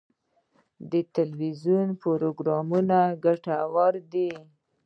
د تلویزیون پروګرامونه ګټور دي.